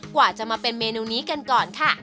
กว่าจะมาเป็นเมนูนี้กันก่อนค่ะ